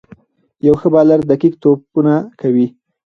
یو ښه بالر دقیق توپونه کوي.